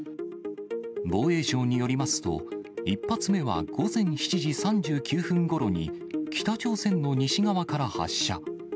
防衛省によりますと、１発目は午前７時３９分ごろに、北朝鮮の西側から発射。